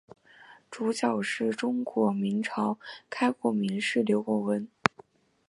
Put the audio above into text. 主角是中国明朝开国名士刘伯温。